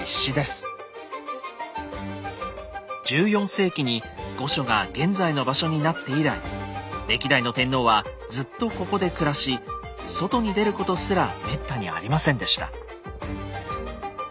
１４世紀に御所が現在の場所になって以来歴代の天皇はずっとここで暮らし外に出ることすらめったにありませんでした。